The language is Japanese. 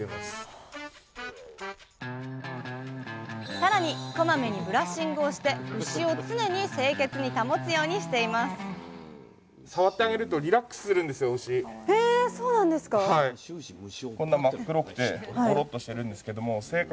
更にこまめにブラッシングをして牛を常に清潔に保つようにしていますへそうなんですか。